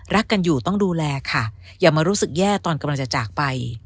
รักกันอยู่ต้องดูแลค่ะอย่ามารู้สึกแย่ตอนกำลังจะจากไป